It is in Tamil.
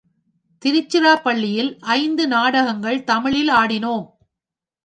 திருச்சிராப்பள்ளியில் ஐந்து நாடகங்கள் தமிழில் ஆடினோம்.